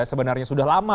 sebenarnya sudah lama